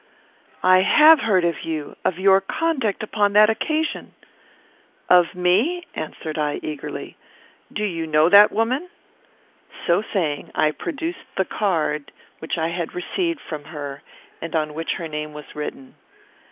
"I have heard of you; of your conduct upon that occasion." "Of me?" answered I, eagerly. "Do you know that woman?" So saying, I produced the card which I had received from her, and on which her name was written.